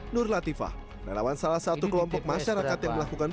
nur latifah narawan salah satu kelompok masyarakat yang melakukan pengawasan tps